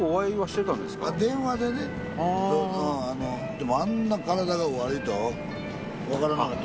でもあんな体がお悪いとはわからなかった。